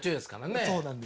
そうなんです。